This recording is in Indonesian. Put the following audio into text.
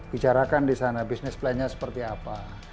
bicarakan di sana bisnis plannya seperti apa